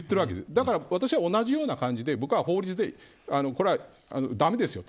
だから私は同じような感じで法律でこれは駄目ですよと。